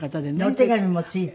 お手紙もついて。